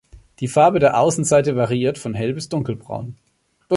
Die Farbe der Außenseite variiert von hell- bis dunkelbraun.